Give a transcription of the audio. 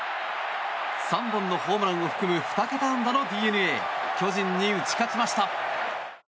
３本のホームランを含む２桁安打のＤｅＮＡ巨人に打ち勝ちました。